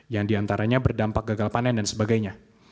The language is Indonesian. yang diantaranya berdampak gagal panen dan sebagainya